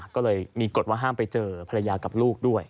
ก็เลยมีกฎว่าห้ามไปเจอภรรยากับลูกด้วย